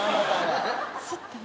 「すっとね」